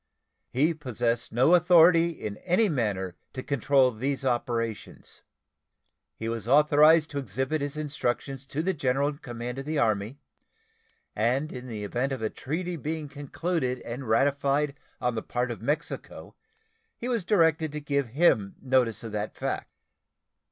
He possessed no authority in any manner to control these operations. He was authorized to exhibit his instructions to the general in command of the Army, and in the event of a treaty being concluded and ratified on the part of Mexico he was directed to give him notice of that fact.